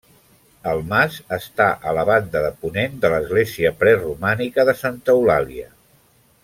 El mas està a la banda de ponent de l'església preromànica de Santa Eulàlia.